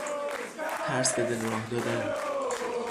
ترس به دل راه دادن